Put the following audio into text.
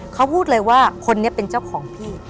เขาพูดเลยว่าคนนี้เป็นเจ้าของพี่